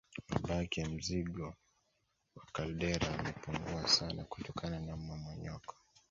Mabaki ya mzingo wa kaldera yamepungua sana kutokana na mmomonyoko